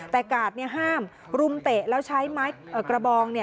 แต่กาดห้ามรุมเตะแล้วใช้ไม้กระบอง